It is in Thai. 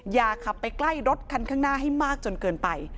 อย่าขับไปใกล้รถคันข้างหน้าให้มากจนเกินไป